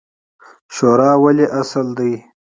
شورا ولې اصل دی؟